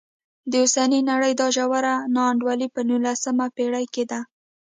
د اوسنۍ نړۍ دا ژوره نا انډولي په نولسمه پېړۍ کې ده.